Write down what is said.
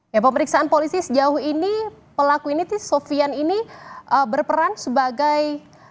ya pemeriksaan polisi sejauh ini pelaku ini sofian ini berperan sebagai